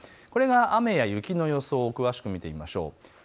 これが雨や雪の予想を詳しく見ていきましょう。